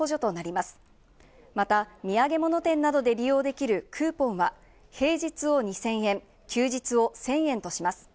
また土産物店などで利用できるクーポンは平日を２０００円、休日を１０００円とします。